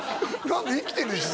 生きてるでしょ